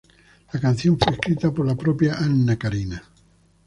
La canción fue escrita por la propia Anna Carina.